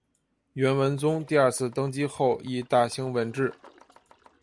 元文宗第二次登基后亦大兴文治。